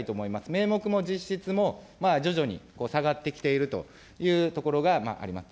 名目も実質も、徐々に下がってきているというところが分かります。